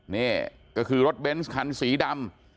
นี่ก็คือรถเบนส์คันสีดำ